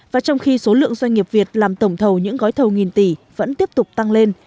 và trong khi số lượng doanh nghiệp việt làm tổng thầu những gói thầu nghìn tỷ vẫn tiếp tục tăng lên